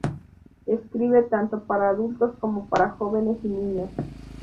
Escribe tanto para adultos como para jóvenes y niños.